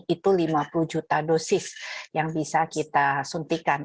itu lima puluh juta dosis yang bisa kita suntikan